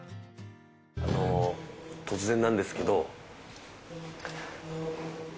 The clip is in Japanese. あの突然なんですけど。